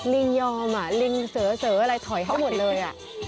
ลิงยอมลิงเสออะไรถอยเขาหมดเลย